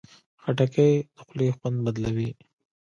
خټکی د خولې خوند بدلوي.